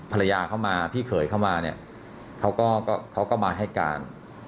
ภรรยาเข้ามาพี่เขยเข้ามาเขาก็มาให้การ